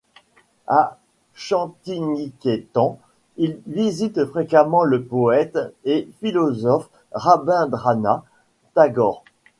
À Shantiniketan il visite fréquemment le poète et philosophe Rabindranath Tagore.